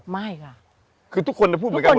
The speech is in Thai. ไม่ค่ะคือทุกคนจะพูดเหมือนกัน